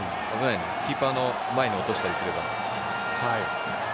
キーパーの前に落としたりすれば。